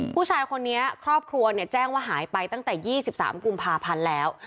ผู้ชายคนนี้ครอบครัวแจ้งว่าหายไปตั้งแต่๒๓กุมภาพันธ์แล้ว